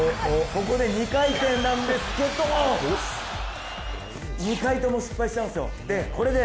ここで２回転なんですけど２回とも失敗しちゃうんですよ。